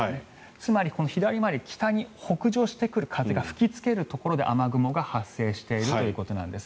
つまりこの左回り北に北上してくる風が吹きつけるところで雨雲が発生しているということなんです。